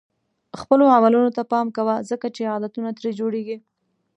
خپلو عملونو ته پام کوه ځکه چې عادتونه ترې جوړېږي.